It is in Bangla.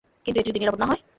কিন্তু, যদি এটা নিরাপদ না হয়?